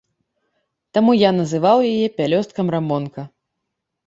Таму я называў яе пялёсткам рамонка.